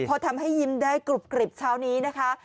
พอทำให้ยิ้มได้กรุบกริบเช้านี้นะคะ